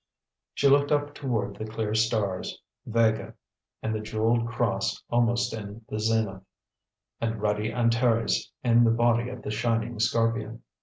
She looked up toward the clear stars, Vega and the jeweled cross almost in the zenith, and ruddy Antares in the body of the shining Scorpion.